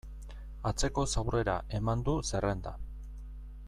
Atzekoz aurrera eman du zerrenda.